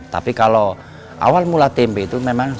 tapi kalau awal mula tempe itu memang